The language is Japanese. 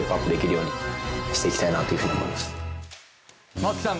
松木さん。